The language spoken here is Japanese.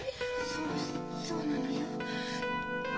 そそうなのよ。